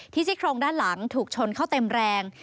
ซี่โครงด้านหลังถูกชนเข้าเต็มแรง